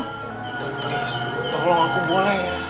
tante please tolong aku boleh ya